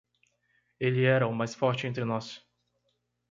Ele era o mais forte entre nós.